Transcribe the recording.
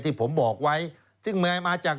ที่ผมบอกไว้ซึ่งแม้มาจาก